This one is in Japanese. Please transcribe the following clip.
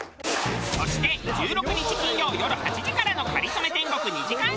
そして１６日金曜よる８時からの『かりそめ天国』２時間スペシャルは。